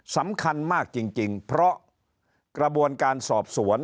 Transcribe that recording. สำคัญมากจริงเพราะกระบวนการสอบสวน